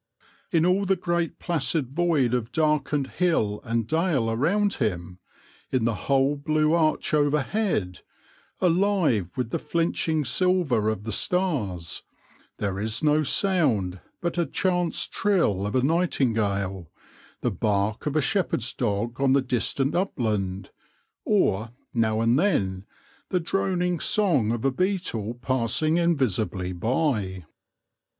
In all the great placid void of darkened hill and dale around him, in the whole blue arch overhead, alive with the flinching silver of the stars, there is no sound but a chance trill of a nightingale, the bark of a shepherd's dog on the distant upland, or, now and then, the droning song of a beetle passing invisibly by.